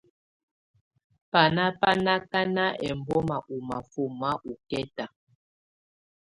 Báná bá ákáná ɛlbɔ́má ɔ́ máfɔ́má ɔ́kɛta.